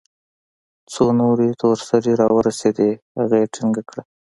څو نورې تور سرې راورسېدې هغه يې ټينګه كړه.